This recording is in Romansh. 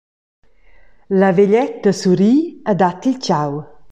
La veglietta surri e dat il tgau.